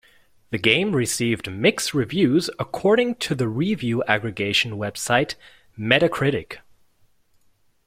The game received "mixed" reviews according to the review aggregation website Metacritic.